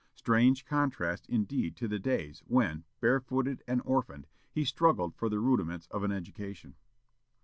Strange contrast indeed to the days when, bare footed and orphaned, he struggled for the rudiments of an education.